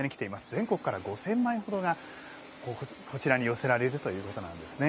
全国から５，０００枚ほどがこちらに寄せられるということなんですね。